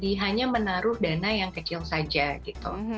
mungkin saya bisa menaruh dana yang kecil saja gitu